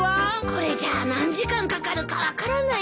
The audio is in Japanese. これじゃあ何時間かかるか分からないよ。